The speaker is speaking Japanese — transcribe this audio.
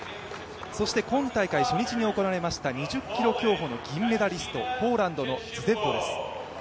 そして今大会初日に行われました２０ｋｍ競歩の金メダリスト、ポーランドのズジェブウォです。